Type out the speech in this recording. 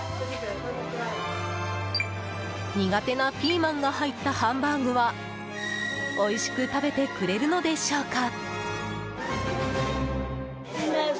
苦手なピーマンが入ったハンバーグはおいしく食べてくれるのでしょうか？